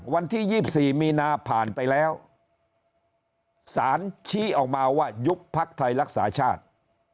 วันที่๒๔มีนาผ่านไปแล้วสารชี้ออกมาว่ายุบพักไทยรักษาชาติ